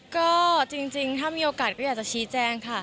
ก็จริงถ้ามีโอกาสก็อยากจะชี้แจงค่ะ